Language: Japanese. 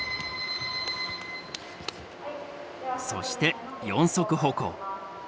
そして四足歩行。